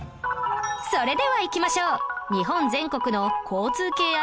それではいきましょう！